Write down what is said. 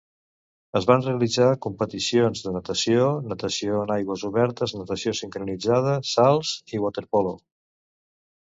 Es van realitzar competicions de natació, natació en aigües obertes, natació sincronitzada, salts i waterpolo.